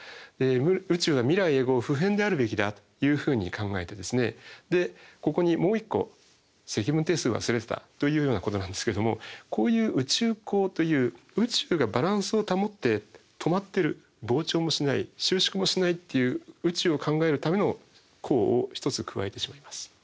「宇宙は未来永ごう不変であるべきだ」というふうに考えてでここにもう一個積分定数忘れてたというようことなんですけどもこういう宇宙項という宇宙がバランスを保って止まってる膨張もしない収縮もしないっていう宇宙を考えるための項を１つ加えてしまいます。